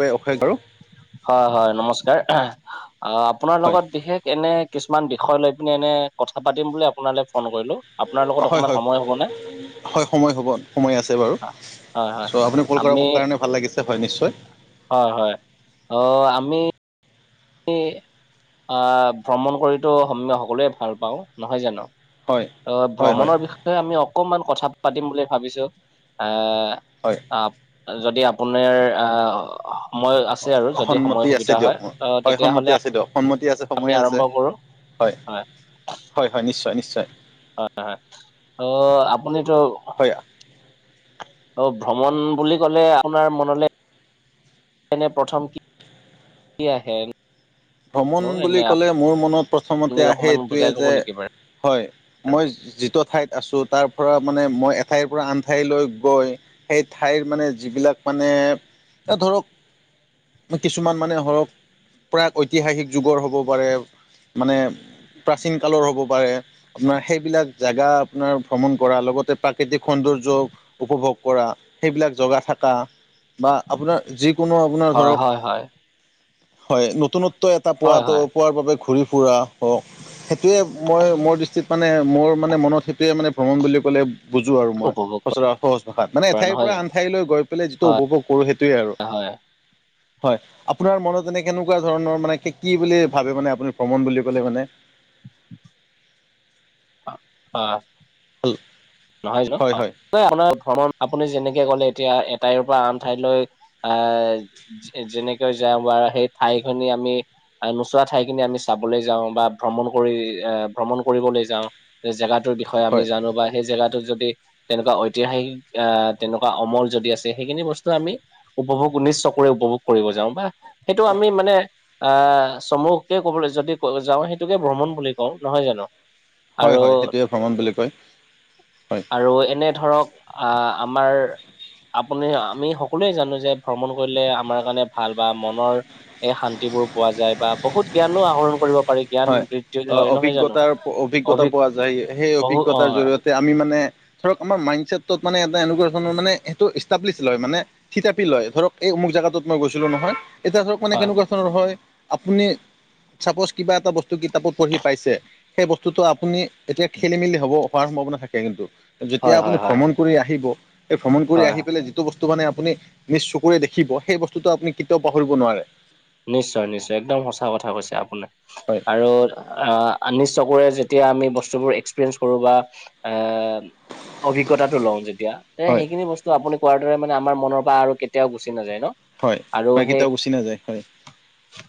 [unintelligible] বাৰু হয়, হয়, নমস্কাৰ, আপোনাৰ হয় লগত বিশেষ এনে কিছুমান বিষয় লৈ পিনে এনে কথা পাতিম বুলি আপোনালে ফোন কৰিলো। আপোনাৰ লগত হয় অকমান হয় সময় হ'ব নে? হয়, সময় হ'ব। সময় আছে বাৰু। হয় হয় চ' আপুনি কল কৰা আমি কাৰণে ভাল লাগিছে হয় নিশ্চয়। হয়, হয়, অ', আমি। মি আ ভ্ৰমণ কৰিতো [unintelligible] সকলোৱে ভাল পাওঁ নহয় জানো। হয় অ', হয় হয় ভ্ৰমণৰ বিষয়ে আমি অকনমান কথা পাতিম বুলি ভাবিছো। আ হয়। আপ যদি আপোনাৰ আহ সময় আছে আৰু যদি সময় সন্মতি আছে সুবিধা দিয়ক হয়। মোৰ অ হয় তেতিয়াহ'লে সন্মতি আছে দিওক সন্মতি আছে আমি সময়ে আছে, আৰম্ভ কৰো হয়। হয় -হয়, নিশ্চয় -নিশ্চয়। হয়- হয়, ত' আপুনিতো হয় অ', ভ্ৰমণ বুলি ক'লে আপোনাৰ মনলৈ এনে প্ৰথম কি- কি আহে নো ভ্ৰমণ এনে বুলি ক'লে মোৰ মনত আপুনি প্ৰথমতে আহে অকমান এইটোৱে বুজাই কব যে নেকি বাৰু হয়, মই যিটো ঠাইত আছোঁ তাৰ পৰা মানে মই এঠাইৰ পৰা আন ঠাইলৈ গৈ সেই ঠাইৰ মানে যিবিলাক মানে এ ধৰক কিছুমান মানে হৰক। ঐতিহাসিক যুগৰ হ'ব পাৰে মানে প্ৰাচীন কালৰ হ'ব পাৰে। আপোনাৰ সেইবিলাক জেগা আপোনাৰ ভ্ৰমণ কৰা লগতে প্ৰাকৃতিক সৌন্দৰ্য উপভোগ কৰা, সেইবিলাক জগা থাকা বা আপোনাৰ যিকোনো পোনাৰ হয় ধৰক, হয় হয় হয়, নতুনত্ব এটা হয় পোৱাটো হয় পোৱাৰ বাবে ঘূৰি ফুৰা। [unintelligible] সেইটোৱে মই মোৰ দৃষ্টিত মানে মোৰ মানে মনত সেইটোৱে মানে ভ্ৰমণ বুলি ক'লে। বুজো আৰু মই উপভোগ সচৰা সহজ ভাষাত মানে কৰা এঠাইৰ নহয় পৰা আন জানো ঠাইলৈ গৈ পেলাই যিটো হয় উপভোগ কৰো সেইটোৱে আৰু। হয়। হয়, আপোনাৰ মনত এনে কেনেকুৱা ধৰণৰ মানে কি বুলি ভাবে মানে আপুনি ভ্ৰমণ বুলি ক'লে মানে। অ', হয়। হল নহয় জানো হয় আপোনাৰ ভ্ৰমণ আপুনি যেনেকে কলে এতিয়া এঠাইৰ পৰা আন ঠাইলৈ আহ - যেনেকৈ যাওঁ বাৰু সেই ঠাই খিনি আমি - নোচোৱা ঠাইখিনি আমি চাবলৈ যাওঁ বা ভ্ৰমণ কৰি আহ ভ্ৰমণ কৰিবলৈ যাওঁ - যে জেগাটোৰ বিষয়ে আমি হয় জানো বা সেই জেগাত - টো যদি তেনেকুৱা ঐতিহাসিক আহ তেনেকুৱা অমল যদি আছে সেইখিনি বস্তু আমি - উপভোগ নিচ চকুৰে উপভোগ কৰিব যাও বা সেইটো আমি মানে - আহ চমুককে কবলৈ যদি যাওঁ সেইটোকে ভ্ৰমণ বুলি কওঁ নহয় জানো? হয় হয়, আৰু সেইটোৱে ভ্ৰমণ বুলি কয় হয়। আৰু এনে ধৰক আমাৰ - আপুনি আমি সকলোৱে জানো যে ভ্ৰমণ কৰিলে আমাৰ কাৰণে ভাল বা মনৰ - এই শান্তিবোৰ পোৱা যায় বা বহুত জ্ঞানো আহৰণ কৰিব পাৰি। জ্ঞান হয় বৃদ্ধি অ হয় নহয় জানো অভিজ্ঞতাৰ অভিজ্ঞতা পোৱা অভিজ্ঞ যায় সেই বহু অ অভিজ্ঞতাৰ জৰিয়তে আমি মানে - ধৰক আমাৰ মাইণ্ডছেটোত মানে এটা এনেকুৱা ধৰণৰ মে এইটো ষ্টিৱিলিচ লয় মানে - থিতাপি লয় ধৰক এই অমুক জেগাটোত মই গৈছিলো নহয় - এতিয়া ধৰক মানে হয় কেনেকুৱা ধৰণৰ হয় আপুনি চাপছ - কিবা এটা বস্তু কিতাপত পঢ়ি পাইছে সেই বস্তুটো আপুনি এতিয়া খেলি মেলি হ'ব। হোৱাৰ সম্ভাৱনা থাকে কিন্তু যেতিয়া হয় আপুনি হয় হয় ভ্ৰমণ কৰি আহিব সেই ভ্ৰমণ কৰি হয় আহি পেলাই য - যিটো বস্তু মানে আপুনি নিজ চকুৰে দেখিব সেই বস্তুটো আপুনি কেতিয়াও পাহৰিব নোৱাৰে। নিশ্চয় নিশ্চয় একদম সঁচা কথা কৈছে আপুনি। হয়। আৰু নিজ চকুৰে যেতিয়া আমি বস্তুবোৰ এক্সপেৰিয়েঞ্চ কৰোঁ বা আ - অভিজ্ঞতাটো লও যেতিয়া এ হয় সেইখিনি বস্তু আপুনি - কোৱাৰ দৰে মানে আমাৰ মনৰ পৰা আৰু কেতিয়াও গুচি নাযায় ন। হয় আৰু হয়, সেই কেতিয়াও গুচি নাযায় হয়,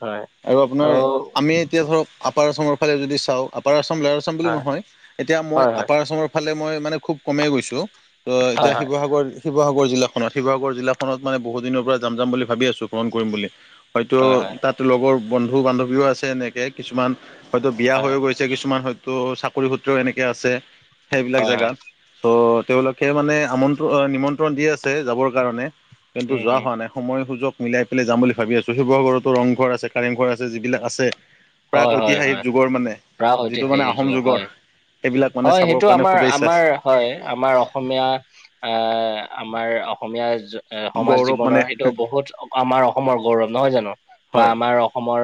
হয় আৰু অ আপোনাৰ আমি - এতিয়া ধৰক আপাৰ আচামৰ ফালে যদি চাওঁ আপাৰ আচাম লয়াৰ আচাম বুলি হয় নহয়, এতিয়া মই হয় আপাৰ আচাম - সেইফালে মই মানে খুব কমেই গৈছো ত হয় এতিয়া হয় শিৱসাগৰ - শিৱসাগৰ জিলাখনত শিৱসাগৰ জিলাখনত মানে বহু দিনৰ পৰা যাম যাম বুলি ভাবি আছো, ভ্ৰমণ কৰিম বুলি। হয়তো হয় হয় তাত লগৰ বন্ধু বান্ধৱীও আছে সেনেকে কিছুমান হয়তো বিয়া হয় হৈও গৈছে - ছে কিছুমান হয়তো চাকৰি সূত্ৰও এনেকে আছে হয় সেইবিলাক হয় হয় হয় জেগাত - ত' তেওঁলোকে মানে আমন্ত্ৰণ নিমন্ত্ৰণ দি আছে যাবৰ কাৰণে কিন্তু উম যোৱা হম হোৱা নাই। সময় সুযোগ মিলাই পেলাই যাম বুলি ভাবি আছো, শিৱসাগৰতো ৰংঘৰ আছে কাৰেংঘৰ আছে যিবিলাক আছে - প্ৰাক হয় হয় ঐতিহাসিক হয় যুগৰ মানে প্ৰাগ যিটো মানে ঐতিহাসিক আহোম যুগৰ হয় - সেইবিলাক মানে হয় চাবৰ সেইটো কাৰণে আমাৰ খুবেই ইচ্ছা আছে। আমাৰ হয় আমাৰ অসমীয়া এ আমাৰ অসমীয়া - এ সমাজ গৌৰৱ জীৱনৰ মানে সেইটো বহুত আমাৰ অসমৰ গৌৰৱ নহয় জানো? বা হয় আমাৰ অসমৰ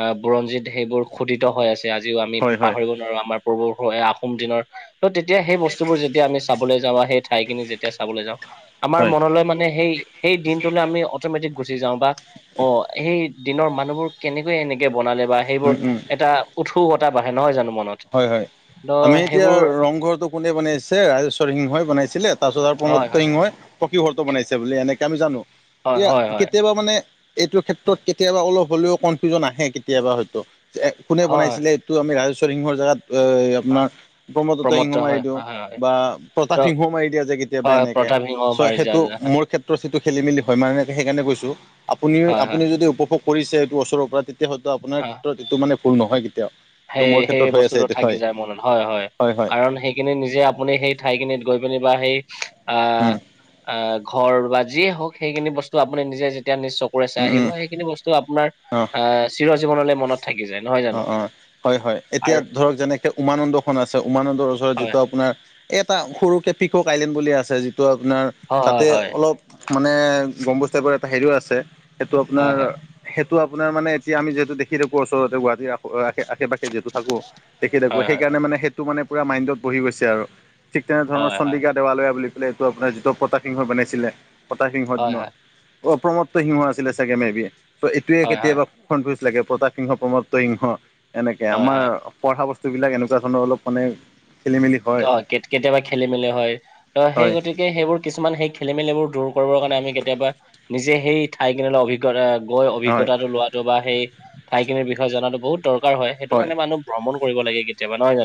এ বুৰঞ্জিত সেইবোৰ খোদিত হৈ আছে। আজিও আমি হয় হয় পাহৰিব - আমাৰ পূৰ্বপুৰুষৰ এ আহোম দিনৰ - ত' তেতিয়া সেই বস্তুবোৰ যেতিয়া আমি চাবলৈ যাওঁ সেই ঠাইখিনি যেতিয়া চাবলৈ যাওঁ - আমাৰ হয় মনলৈ মানে সেই - সেই দিনটোলৈ আমি অটমেটিক গুচি যাও বা অ সেই দিনৰ মানুহবোৰ কেনেকৈ এনেকে - বনালে বা সেইবোৰ উম উম এটা উৎসুকতা বাঢ়ে নহয় জানো? মনত হয় হয়, ত আমি এতিয়া সেইবোৰ ৰংঘৰটো কোনে বনাইছে? ৰাজেশ্বৰ সিংহই বনাইছিলে - তাৰপিছত আৰু হয়, প্ৰমত্ত হয়, সিংহই পকীঘৰটো বনাইছে বুলি এনেকে আমি জানো। হয়, এতিয়া হয়, হয়, কেতিয়াবা মানে - এইটো ক্ষেত্ৰত কেতিয়াবা অলপ হ'লেও কনফিউজন আহে কেতিয়াবা হয়তো, কোনে হয়, বনাইছিলে? ত আমি ৰাজেস্বৰ সিংৰ জাগাত এই - হয়, আপোনাৰ প্ৰমদত্ত সিংহ প্ৰমত্ত মাৰি হয়, দিও হয়, হয়, হয়। বা ত' প্ৰতাপ সিংহও মাৰি দিয়া যে কেতিয়াবা হয়, এনেই। প্ৰতাপ সিংহ চ মাৰি যায় সেইটো যে, হয়, মোৰ ক্ষেত্ৰত সেইটো খেলি মেলি হয়, মানে সেই কাৰণে কৈছো আপুনিও হয়, হয়, আপুনি যদি উপভোগ কৰিছে সেইটো ওচৰৰ পৰা তেতিয়া হয়তো আপোনাৰ ক্ষেত্ৰত এইটো মানে ভুল নহয় কেতিয়াও। ত' মোৰ ক্ষেত্ৰত হৈ আছে সেই-সেইবস্তুটো এইটো থাকি হয় যায় মনত হয় হয়, কাৰণ সেই খিনি নিজে আপুনি সেই ঠাইখিনিত গৈ পিনি বা সেই আ উম, আ ঘৰ বা যিয়ে হওক সেইখিনি বস্তু আপুনি নিজে যেতিয়া নিজ চকুৰে চাই উম, আহিব উম, সেইখিনি বস্তু আপোনাৰ অ', আ চিৰ জীৱনলৈ মনত থাকি যায়, নহয় অ', জানো? অ'। হয়- হয় এতিয়া আৰু ধৰক যেনেকে উমানন্দখন আছে উমানন্দৰ ওচৰত হয়, যিটো আপোনাৰ এটা সৰুকে পিকক আইলেণ্ড বুলি আছে যিটো আপোনাৰ তাতে হয়, হয়, অলপ মানে গম্বোজ টাইপৰ এটা হেৰিও আছে। সেইটো আপোনাৰ হয়, হয়, সেইটো আপোনাৰ মানে এতিয়া আমি যিহেতু দেখি থাকো ওচৰতে গোৱাহাটী আশে-পাশে যিহেতু থাকো, দেখি থাকো হয়, হয়, সেইকাৰণে মানে সেইটো মানে পুৰা মাইণ্ডত বহি গৈছে আৰু ঠিক তেনে ধৰণৰ হয়, হয়, হয়, চন্দিকা দেৱালয়া বুলি পেলাই এইটো আপোনাৰ যিটো প্ৰতাপ সিংহই বনাইছিলে প্ৰতাপ সিংহৰ হয়, দিনত হয়, অ প্ৰমত্ত সিংহ আছিলে চাগে মেবি্? ত' এইটোৱে হয়, হয়, কেতিয়াবা কনফিউজ লাগে প্ৰতাপ সিংহ প্ৰমত্ত সিংহ এনেকে হয়, হয়। আমাৰ পঢ়া বস্তুবিলাক এনেকুৱা ধৰণৰ অলপ মানে খেলি মেলি হয় অ কেতিয়াবা খেলি মেলি হয়, ত সেই হয় গতি গতিকে সেইবোৰ কিছুমান সেই খেলি মেলি বোৰ দূৰ কৰিবৰ কাৰণে আমি কেতিয়াবা নিজে সেই ঠাই খনিলৈ অভিজ্ঞতা গৈ হয় অভিজ্ঞতাটো লোৱাটো বা সেই ঠাইখিনিৰ বিষয়ে জনাতো বহুত দৰকাৰ হয়। সেইটো কাৰণে মানুহ ভ্ৰমণ কৰিব লাগে কিন্ত।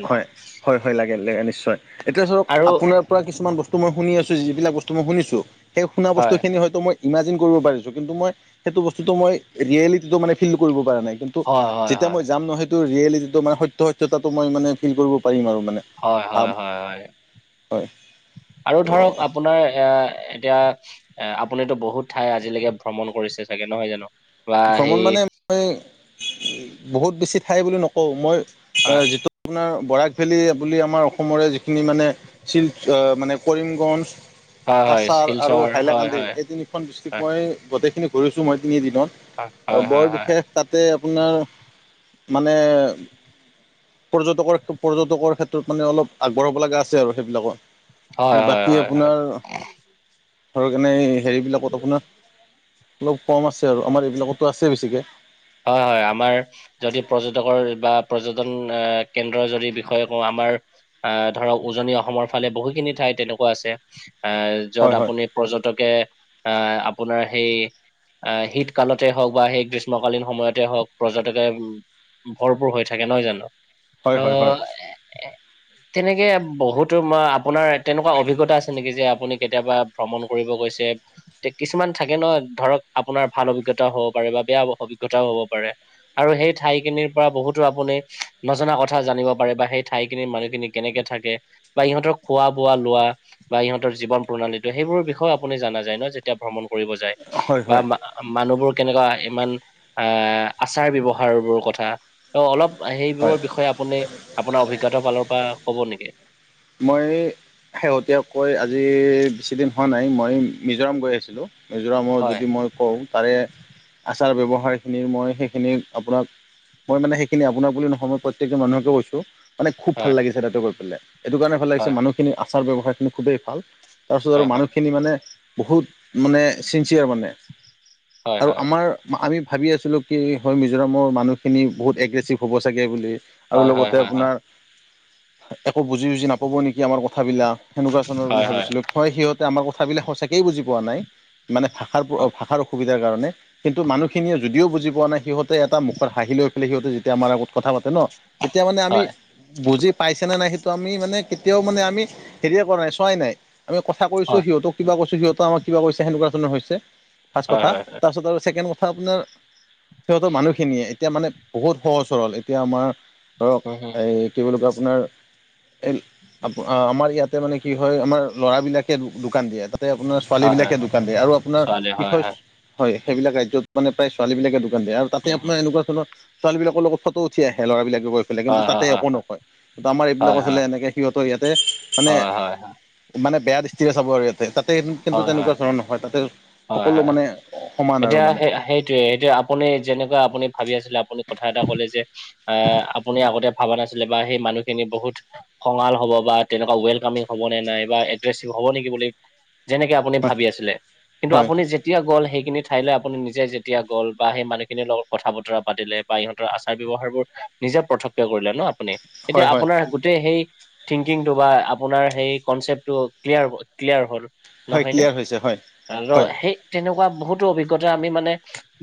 হয় হয় হয় লাগে লাগে নিশ্চয়, এতিয়া ধৰক আৰু আপোনাৰ কিছুমান বস্তু মই শুনি আছো যিবিলাক বস্তু মই শুনিছো, সেই শুনা বস্তু হয় খিনি হয়তো মই ইমাজিন কৰিব পাৰিছো, কিন্তু মই সেইটো বস্তুটো মই ৰিয়েলিটিটো মানে ফিল কৰিব পৰা নাই, কিন্তু ত' হয় হয় যেতিয়া হয় মই যাম নহয় সেইটো ৰিয়েলিটিটো মানে সত্য সত্যতাটো মই মানে ফিল কৰিব পাৰিম আৰু মানে। হয় ভাব হয় হয় হয়। হয়। আৰু ধৰক ত' আপোনাৰ এইয়া এতিয়া এ আপুনিতো বহুত ঠাই আজিলেকে ভ্ৰমণ কৰিছে চাগে নহয় জানো? বা ভ্ৰমণ সেই মানে মই বহুত বেছি ঠাই বুলি নকওঁ মই এ হয় যিটো আপোনাৰ বৰাক ভেলী বুলি আমাৰ অসমৰে যিখিনি মানে শিলচ অ মানে কৰিমগঞ্জ, হয় হয় কাছাৰ আৰু শিলচৰ হয় হাইলাকান্দি হয় এই তিনি খন ডিষ্ট্ৰিক্ট হয় মই গোটেইখিনি ঘূৰিছো মই হয় তিনিদিনত, হয় হয় বৰ হয় বিশেষ তাতে আপোনাৰ মানে পৰ্যটকৰ- পৰ্যটকৰ ক্ষেত্ৰত মানে অলপ আগবঢ়াব লগা আছে আৰু সেইবিলাকত। হয় ত হয় হয় বাকী হয় হয় আপোনাৰ ধৰক এনেই হেৰিবিলাকত আপোনাৰ অলপ কম আছে আৰু আমাৰ এই বিলাকতটো আছে বেছিকে। হয় হয় আমাৰ যদি পৰ্যটকৰ বা পৰ্যটন অ কেন্দ্ৰৰ যদি বিষয়ে কওঁ আমাৰ আহ ধৰক উজনি অসমৰ ফালে বহুখিনি ঠাই তেনেকুৱা আছে, আহ যত হয় হয় আপুনি পৰ্যটকে আহ আপোনাৰ সেই আহ শীত কালতে হওক বা সেই গ্ৰীষ্মকালীন সময়তে হওক পৰ্যটকে ভৰপুৰ হৈ থাকে, নহয় জানো? হয় অ হয় হয় তেনেকে বহুতো মই আপোনাৰ তেনেকুৱা অভিজ্ঞতা আছে নেকি যে আপুনি কেতিয়াবা ভ্ৰমণ কৰিব গৈছে? কিছুমান থাকে ন ধৰক আপোনাৰ ভাল অভিজ্ঞতাও হ'ব পাৰে, বা বেয়া অভিজ্ঞতাও হ'ব পাৰে। আৰু সেই ঠাইখিনিৰ পৰা বহুতো আপুনি নজনা কথা জানিব পাৰে বা সেই ঠাইখিনিৰ মানুহখিনিক কেনেকে থাকে বা ইহঁতৰ খোৱা, বোৱা, লোৱা বা ইহঁতৰ জীৱন প্ৰণালীটো সেইবোৰৰ বিষয়েও আপুনি জানা যায় ন যেতিয়া ভ্ৰমণ কৰিব যায়? হয় বা হয় মা মানুহবোৰ কেনেকুৱা ইমান আহ আচাৰ ব্যৱহাৰবোৰৰ কথা ত অলপ হয় সেইবোৰৰ বিষয়ে আপুনি আপোনাৰ অভিজ্ঞতাৰ ফালৰ পৰা কব নেকি? মই শেহতীয়াকৈ আজি বেছিদিন হোৱা নাই, মই মিজোৰাম গৈ আহিছিলোঁ। মিজোৰামত যদি মই কওঁ তাৰে আচাৰ ব্যৱহাৰখিনিৰ মই সেইখিনি আপোনাক মই মানে সেইখিনি আপোনাৰ বুলি নহয় মই প্ৰত্যেকজন মানুহকে কৈছো মানে খুব ভাল লাগিছে তাতো গৈ পেলাই এইটো কাৰণে ভাল লাগিছে মানুহ খিনিৰ আচাৰ - ব্যৱহাৰখিনি খুবেই ভাল তাৰপিছত আৰু মানুহখিনি মানে বহুত মানে ছিনচিয়াৰ মানে আৰু আমাৰ মা আমি ভাবি আছিলো কি হয় মিজোৰামৰ মানুহখিনি বহুত এগ্ৰেচিভ হ'ব চাগে বুলি? আৰু লগতে আপোনাৰ একো বুজি - চুজি নাপাব নেকি আমাৰ কথাবিলাক সেনেকুৱা ধৰণৰ বুলি ভাবিছিলো, হয় সিহঁতে আমাৰ কথাবিলাক সঁচাকৈয়ে বুজি পোৱা নাই মানে ভাষাৰ প ভাষাৰ অসুবিধাৰ কাৰণে কিন্তু মানুখিনিয়ে যদিও বুজি পোৱা নাই সিহঁতে এটা মুখত হাঁহি লৈ পেলাই সিহতে যি তিয়া আমাৰ আগত কথা পাতে ন তেতিয়া মানে আমি বুজি পাইছে নে নাই সেইটো আমি মানে কেতিয়াও মানে আমি হেৰিয়ে কৰা নাই চোৱাই নাই। আমি কথা কৈছোঁ, সিহঁতক কিবা কৈছোঁ, সিহঁতেও আমাক কিবা কৈছে সেনেকুৱা ধৰণৰ হৈছে। ফাষ্ট কথা তাৰপিছত আৰু ছেকেণ্ড কথা আপোনাৰ সিহঁতৰ মানুহখিনিয়ে এতিয়া মানে বহুত সহজ সৰল এতিয়া আমাৰ ধৰক এই কি বুলি কয় আপোনাৰ এই আপু আ আমাৰ ইয়াতে মানে কি হয় আমাৰ ল'ৰাবিলাকে দো দোকান দিয়ে তাতে আপোনাৰ ছোৱালীবিলাকে দোকান দিয়ে আৰু আপোনাৰ কি হয় সেইবিলাক ৰাজ্যত মানে প্ৰায় ছোৱালীবিলাকে দোকান দিয়ে আৰু তাতে আপোনাৰ এনেকুৱা ধৰণৰ ছোৱালীবিলাকৰ লগত ফটো উঠি আহে ল'ৰাবিলাকে গৈ বলে কিন্তু তাতে একো নকয় কিন্তু আমাৰ এইবিলাক হলে এনেকে সিহঁতৰ ইয়াতে মানে - মানে বেয়া দৃষ টিৰে চাব আৰু ইয়াতে তাতে কিন্তু তেনেকুৱা ধৰণৰ নহয় তাতে সকলো মানে সমান আৰু এতিয়া মানে সেই সেইটোৱে এতিয়া আপুনি যেনেকুৱা আপুনি ভাবি আছিলে, আপুনি কথা এটা কলে যে আহ আপুনি আগতে ভবা নাছিলে বা সেই মানুহখিনি বহুত খঙাল হ'ব বা তেনেকুৱা ৱেলকামিং হব নে নাই বা এগ্ৰেচিভ হ'ব নেকি বুলি যেনেকে আপুনি হয় ভাবি আছিলে কিন্তু হয় আপুনি যেতিয়া গ'ল সেইখিনি ঠাইলৈ আপুনি নিজে যেতিয়া গ'ল বা সেই মানুহখিনিৰ লগত কথা বতৰা পাতিলে বা ইহঁতৰ আচাৰ ব্যৱহাৰবোৰ নিজে প্ৰত্যক্ষ কৰিলে ন আপুনি এতিয়া হয় হয় আপোনাৰ গোটেই সেই থিংকিংটো বা আপোনাৰ সেই কনচেপ্টটো ক্লিয়াৰ হল ক্লিয়াৰ হ'ল। হয় নহয়নে ক্লিয়াৰ হৈছে হয় আৰু হয় সেই তেনেকুৱা বহুতো অভিজ্ঞতা আমি মানে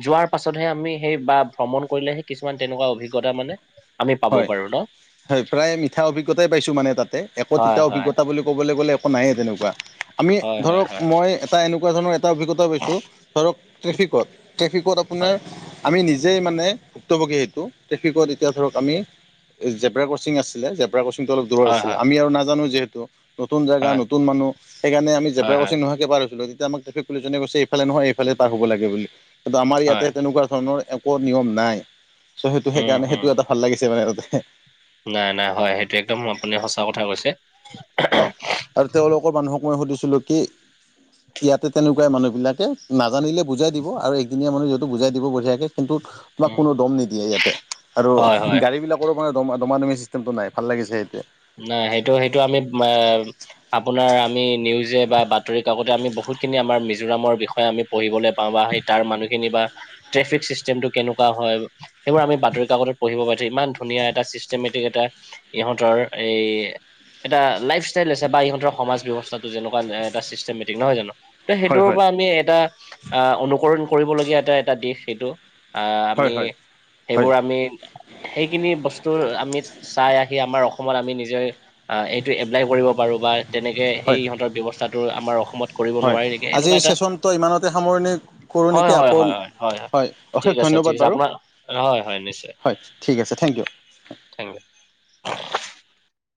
যোৱাৰ পাছতহে আমি সেই বা ভ্ৰমণ কৰিলেহে কিছুমান তেনেকুৱা অভিজ্ঞতা মানে আমি পাব হয় পাৰো ন? হয়, প্ৰায় মিঠা অভিজ্ঞতাই পাইছো মানে তাতে একো হয় তিতা হয় অভিজ্ঞতা বুলি ক'বলৈ গ'লে একো নাইয়ে তেনেকুৱা। আমি হয় হয় ধৰক হয় মই এত এটা এনেকুৱা ধৰণৰ এটা অভিজ্ঞতা পাইছোঁ, ধৰক ট্ৰেফিকত, ট্ৰেফিকত হয় আপোনাৰ আমি নিজেই মানে ভুক্তভোগী সেইটো ট্ৰেফিকত এতিয়া ধৰক আমি জেব্ৰা ক্ৰচিং আছিলে, জেব্ৰা ক্ৰচিংটো অলপ দূৰত হয় আছিলে, আমি আৰু নাজানো যিহেতু নতুন জেগা হয় নতুন মানুহ সেইকাৰণে আমি হয় জেব্ৰা হয় ক্ৰৰ্চ্চিং নোহোৱাকে পাৰ হৈছিলো, তেতিয়া আমাক ট্ৰেফিক পুলিচজনে কৈছে ইফালে নহয় এইফালে পাৰ হ'ব লাগে বুলি, কিন্তু আমাৰ ইয়াতে হয় তেনেকুৱা ধৰণৰ একো নিয়ম নাই। চ' সেইটো উম সেইকাৰণে হম সেইটোও এটা ভাল লাগিছে মানে তাতে। নাই নাই হয়, সেইটো একদম আপুনি সঁচা কথা কৈছে। অঁ। আৰু তেওঁলোকৰ মানুহক মই সুধিছিলোঁ কি ইয়াতে তেনেকুৱাই মানুহবিলাকে নাজানিলে বুজাই দিব আৰু একদিনীয়া মানুহ যিহেতু বুজাই দিব বঢ়িয়াকে কিন্তু, তোমাক উম কোনো দম নিদিয়ে ইয়াতে আৰু হয় হয় গাড়ী বিলা কৰো মানে দমাদমি চিষ্টেমটো নাই, ভাল লাগিছে ইয়াতে। নাই সেইটো সেইটো আমি আপোনাৰ আমি নিউজে বা বাতৰিকাকতে আমি বহুত খিনি আমাৰ মিজোৰামৰ বিষয়ে পঢ়িবলৈ পাওঁ বা হেই তাৰ মানুহখিনি বা ট্ৰেফিক চিষ্টেমটো কেনেকুৱা হয় এইবোৰ আমি বাতৰিকাকতত পঢ়িব পাইছো ইমান ধুনীয়া এটা চিষ্টেমেটিক এটা ইহঁতৰ এই এটা লাইফ ষ্টাইল আছে বা ইহঁতৰ সমাজ ব্যৱস্থাটো যেনেকুৱা এটা চিষ্টেমেটিক নহয় জানো? ত' হয়, সেইটোৰ হয়, পৰা আমি এটা আহ অনুকৰণ কৰিবলগীয়া এটা এটা দিশ সেইটো। আহ হয়, আমি হয়, হয়, সেইবোৰ আমি সেইখিনি বস্তু আমি চাই আহি আমাৰ অসমত আমি নিজে এইটো এপ্লাই কৰিব পাৰো বা তেনেকে সেই হয়, ইহঁতৰ ব্যৱস্থাটো আমাৰ অসমত কৰিব হয়, নোৱাৰি নেকি আজিৰ এনেকুৱা এটা। চেচনটো ইমানতে সামৰণি কৰোঁ নেকি হয় হয় আকৌ হয়। অশেষ ঠিক আছে ধন্যবাদ ঠিক আছে বাৰু আপোনাৰ, হয় হয় নিশ্চয়। হয় ঠিক আছে থেংক ইউ। Thank U.